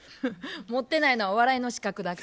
持ってないのは笑いの資格だけ。